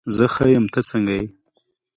زه ښه یم، ته څنګه یې؟